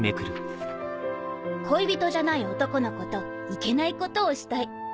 「恋人じゃない男の子といけないことをしたい。